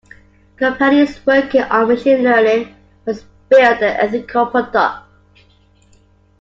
Companies working on Machine Learning must build an ethical product.